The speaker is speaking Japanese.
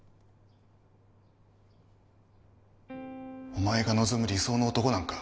お前が望む理想の男なんか